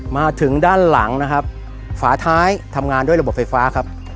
มาถึงด้านหลังนะครับฝาท้ายทำงานด้วยระบบไฟฟ้าครับ